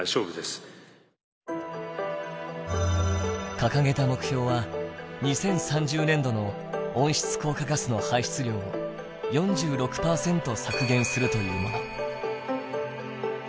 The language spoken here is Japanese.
掲げた目標は２０３０年度の温室効果ガスの排出量を４６％削減するというもの。